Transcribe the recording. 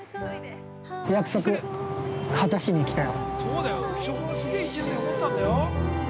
約束、果たしに来たよ。